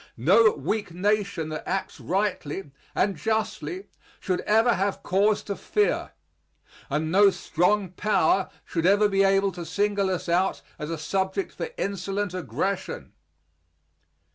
No weak nation that acts rightly and justly should ever have cause to fear, and no strong power should ever be able to single us out as a subject for insolent aggression.